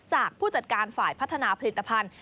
ผู้จัดการฝ่ายพัฒนาผลิตภัณฑ์